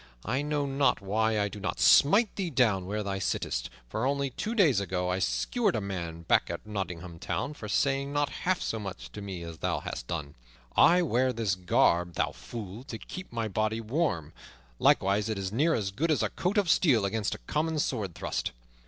I know not why I do not smite thee down where thou sittest, for only two days ago I skewered a man over back of Nottingham Town for saying not half so much to me as thou hast done. I wear this garb, thou fool, to keep my body warm; likewise it is near as good as a coat of steel against a common sword thrust.